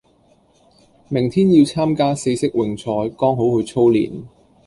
明天要參加四式泳賽剛好去操練